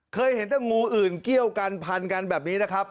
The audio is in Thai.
เคยเห็นแต่งูถึงเขียวพรรณกันแบบนี้นะครับ